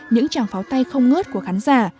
những tràng pháo tay không ngớt của khán giả